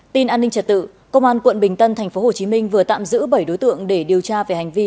tin an ninh trật tự công an quận bình tân tp hcm vừa tạm giữ bảy đối tượng để điều tra về hành vi